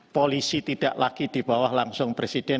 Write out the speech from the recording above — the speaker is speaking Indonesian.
polisi tidak lagi di bawah langsung presiden